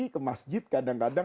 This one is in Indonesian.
ke masjid kadang kadang